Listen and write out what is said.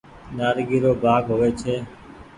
نآريگي رو ڀآگ هووي ڇي۔